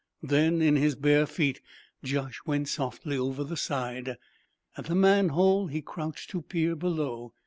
Then, in his bare feet, Josh went softly up over the side. At the manhole he crouched to peer below.